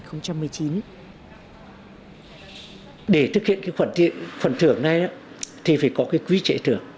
để thực hiện cái khoản thưởng này thì phải có cái quy chế thưởng